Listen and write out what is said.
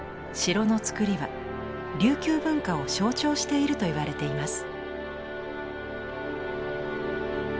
城のつくりは琉球文化を象徴しているといわれています。